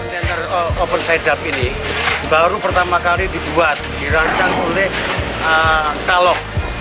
gerbong kontainer open side dam ini baru pertama kali dibuat dirancang oleh kalok